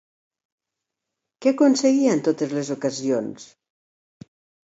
Què aconseguia en totes les ocasions?